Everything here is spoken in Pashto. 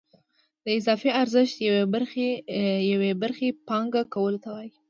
د اضافي ارزښت یوې برخې پانګه کولو ته وایي